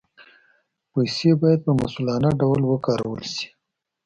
پیسې باید په مسؤلانه ډول وکارول شي.